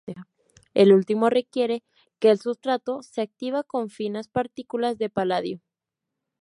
El último requiere que el sustrato se activa con finas partículas de paladio.